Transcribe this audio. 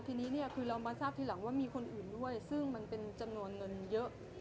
ทีนี้เนี่ยคือเรามาทราบทีหลังว่ามีคนอื่นด้วยซึ่งมันเป็นจำนวนเงินเยอะ